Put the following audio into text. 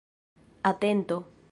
atento